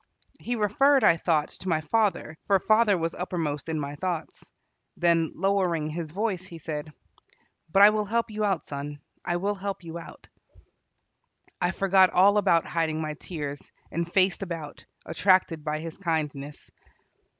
He referred, I thought, to my father, for father was uppermost in my thoughts. Then, lowering his voice, he said: "But I will help you out, son, I will help you out." I forgot all about hiding my tears, and faced about, attracted by his kindness.